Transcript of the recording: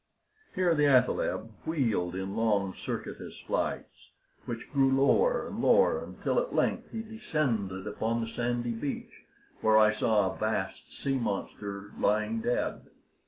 Here the athaleb wheeled in long, circuitous flights, which grew lower and lower, until at length he descended upon the sandy beach, where I saw a vast sea monster lying dead.